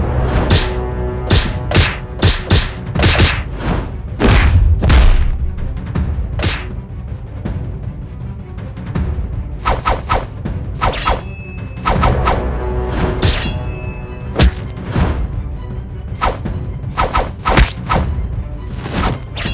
aku tidak punya waktu bermain main denganmu